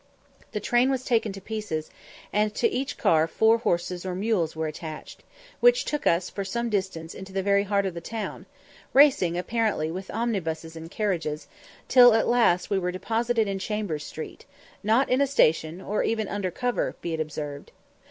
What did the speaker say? The train was taken to pieces, and to each car four horses or mules were attached, which took us for some distance into the very heart of the town, racing apparently with omnibuses and carriages, till at last we were deposited in Chambers Street, not in a station, or even under cover, be it observed.